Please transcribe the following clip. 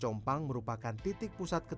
compaang merupakan titik pusat penerbangan